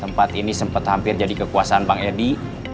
tempat ini sempat hampir jadi kekuasaan bang edi